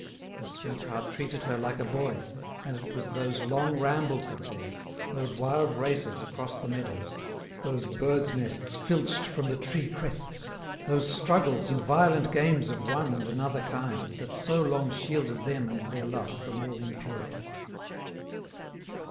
Her sweetheart treated her like a boy, and it was those long rambles of theirs, those wild races across the meadows, those birds' nests filched from the tree crests, those struggles and violent games of one and another kind that so long shielded them and their love from all impurity.